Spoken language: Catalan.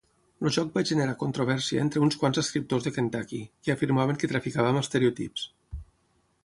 El joc va generar controvèrsia entre uns quants escriptors de Kentucky, que afirmaven que traficava amb estereotips.